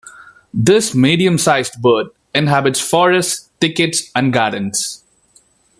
This medium-sized bird inhabits forests, thickets, and gardens.